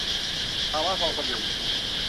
ภาวะฟองสบู่